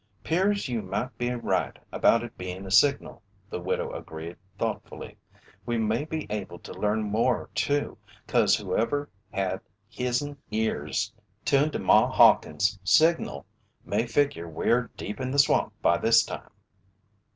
"'Pears you may be right about it bein' a signal," the widow agreed thoughtfully. "We may be able to learn more too, 'cause whoever had his'n ears tuned to Ma Hawkins' signal may figure we're deep in the swamp by this time."